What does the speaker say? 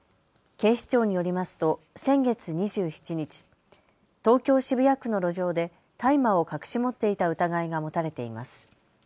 警視庁によりますと先月２７日、東京渋谷区の路上で大麻を隠し持っていた疑いが持たれています。